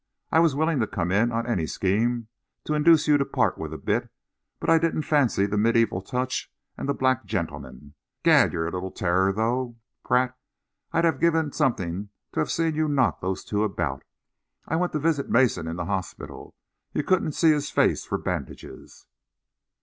I was willing to come in on any scheme to induce you to part with a bit, but I didn't fancy the medieval touch and the black gentleman. Gad, you're a little terror, though, Pratt! I'd have given something to have seen you knock those two about! I went to visit Mason in hospital. You couldn't see his face for bandages."...